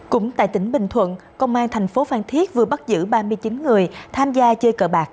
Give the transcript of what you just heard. cũng tại tỉnh bình thuận công an thành phố phan thiết vừa bắt giữ ba mươi chín người tham gia chơi cờ bạc